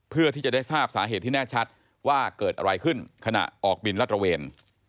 เพื่อที่จะได้ทราบสาเหตุที่แน่ชัดว่าเกิดอะไรขึ้นขณะออกบินรัดระเวน